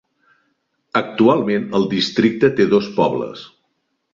Actualment el districte té dos pobles.